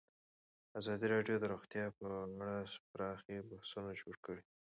ازادي راډیو د روغتیا په اړه پراخ بحثونه جوړ کړي.